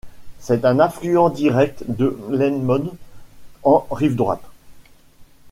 C'est un affluent direct de l'Helmand en rive droite.